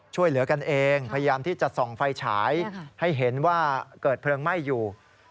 ช่วยเหลือกันเองพยายามที่จะส่องไฟฉายให้เห็นว่าเกิดเพลิงไหม้อยู่